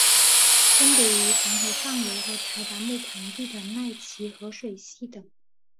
分布于黄河上游和柴达木盆地的奈齐河水系等。